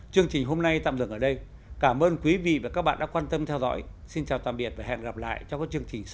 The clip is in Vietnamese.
chương trình hôm nay tạm dừng ở đây cảm ơn quý vị và các bạn đã quan tâm theo dõi xin chào tạm biệt và hẹn gặp lại trong các chương trình sau